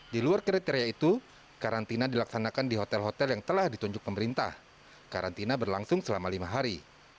di luar kriteria itu karantina dilaksanakan di hotel hotel yang telah ditunjuk pemerintah karantina berlangsung selama lima hari